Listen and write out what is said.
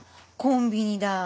コンビニだ